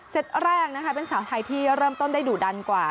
แรกนะคะเป็นสาวไทยที่เริ่มต้นได้ดุดันกว่า